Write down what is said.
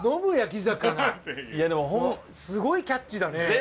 いやでもすごいキャッチーだね。